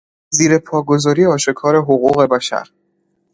زیر پا گذاری آشکار حقوق بشر